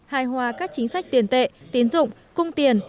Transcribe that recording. hài hòa các chính sách tiền tệ tiến dụng cung tiền